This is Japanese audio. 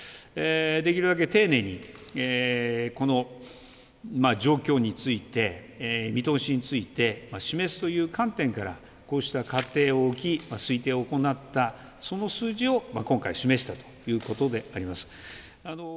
できるだけ丁寧に、この状況見通しについて示すという観点からこうした仮定を置き推定を行ったその数字を今回示したということであります。